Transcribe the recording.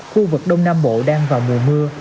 khu vực đông nam bộ đang vào mùa mưa